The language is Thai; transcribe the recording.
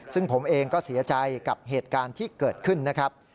ซึ่งผมเองก็เสียใจกับเหตุการณ์ที่เกิดขึ้นนะครับ